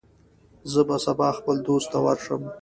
زه به سبا خپل دوست ته ورشم.